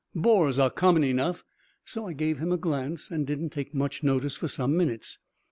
Boars are common enough, so I gave him a glance and didn't take much notice for some minutes.